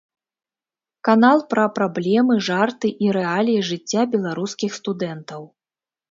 Канал пра праблемы, жарты і рэаліі жыцця беларускіх студэнтаў.